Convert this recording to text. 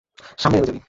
সামনে নেমে যাবি।